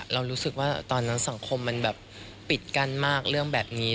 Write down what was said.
เรารู้สึกว่าตอนนั้นสังคมมันแบบปิดกั้นมากเรื่องแบบนี้